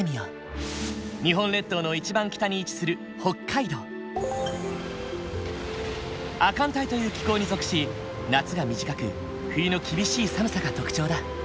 日本列島の一番北に位置する亜寒帯という気候に属し夏が短く冬の厳しい寒さが特徴だ。